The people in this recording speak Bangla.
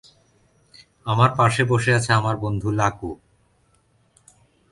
একটা প্রসেস এক বা একাধিক "থ্রেড" এর সমন্বয়ে গঠিত।